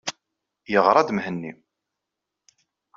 Yeɣṛa-d Mhenni.